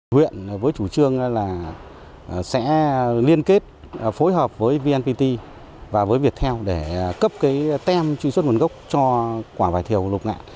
huyện với chủ trương là sẽ liên kết phối hợp với vnpt và với việt theo để cấp cái tem truy xuất nguồn gốc cho quả vải thiều lục ngạn